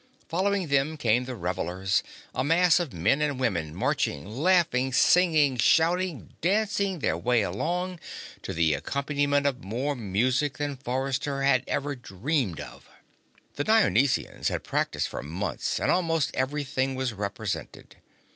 Following them came the revelers, a mass of men and women marching, laughing, singing, shouting, dancing their way along to the accompaniment of more music than Forrester had ever dreamed of. The Dionysians had practiced for months, and almost everything was represented.